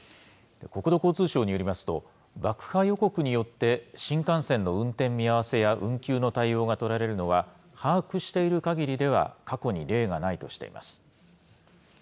国土交通省によりますと、爆破予告によって、新幹線の運転見合わせや運休の対応が取られるのは、把握している限りでは過去に例がないとしています。